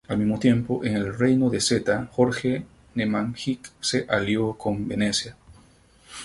Al mismo tiempo en el reino de Zeta, Jorge Nemanjić se alió con Venecia.